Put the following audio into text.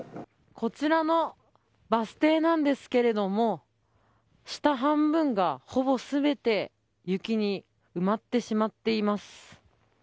こちらのバス停なんですが下半分がほぼ全て雪に埋まってしまっています。